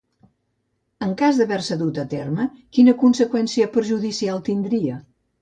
En cas d'haver-se dut a terme, quina conseqüència perjudicial tindria?